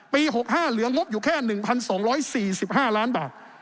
๖๕เหลืองบอยู่แค่๑๒๔๕ล้านบาท